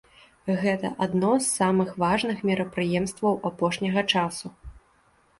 Гэта адно з самых важных мерапрыемстваў апошняга часу.